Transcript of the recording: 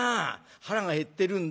腹が減ってるんだよ。